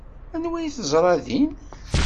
Anwa ay teẓra din?